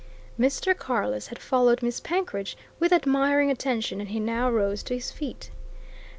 Mr. Carless had followed Miss Penkridge with admiring attention, and he now rose to his feet.